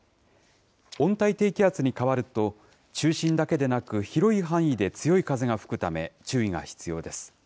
温帯低気圧に変わると、中心だけでなく、広い範囲で強い風が吹くため、注意が必要です。